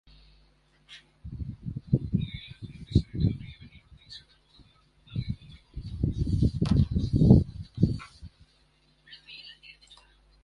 His real name is Mehmed.